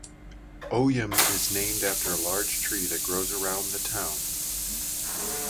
Oyem is named after a large tree that grows around the town.